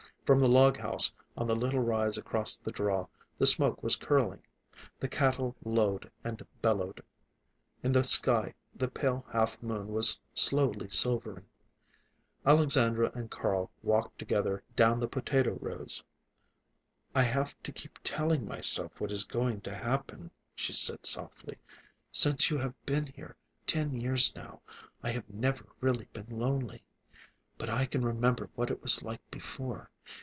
From the log house, on the little rise across the draw, the smoke was curling. The cattle lowed and bellowed. In the sky the pale half moon was slowly silvering. Alexandra and Carl walked together down the potato rows. "I have to keep telling myself what is going to happen," she said softly. "Since you have been here, ten years now, I have never really been lonely. But I can remember what it was like before.